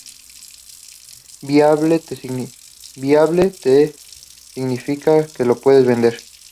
Viable te significa que lo puedes vender".